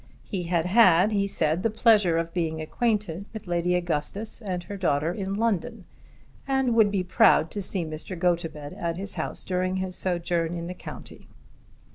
He had had, he said, the pleasure of being acquainted with Lady Augustus and her daughter in London and would be proud to see Mr. Gotobed at his house during his sojourn in the county.